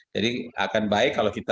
jadi akan baik kalau gitu